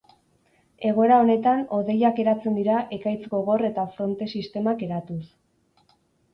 Egoera honetan, hodeiak eratzen dira ekaitz gogor eta fronte-sistemak eratuz.